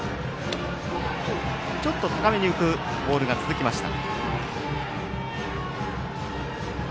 ちょっと高めに浮くボールが続きました。